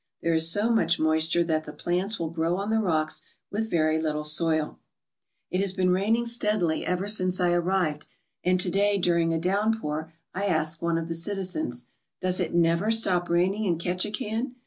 There is so much moisture that the plants will grow on the rocks with very little soil. It has been raining steadily ever si Ace I arrived, and to day during a downpour I asked one of the citizens : "Does it never stop raining in Ketchikan?"